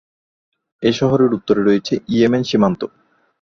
এ শহরের উত্তরে রয়েছে ইয়েমেন সীমান্ত।